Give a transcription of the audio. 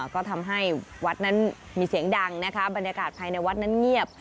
ก็ทำให้วัดนั้นมีเสียงดังนะคะบรรยากาศภายในวัดนั้นเงียบ